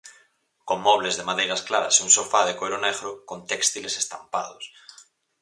Con mobles de madeiras claras e un sofá de coiro negro con téxtiles estampados.